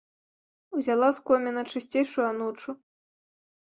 Узяла з коміна чысцейшую анучу.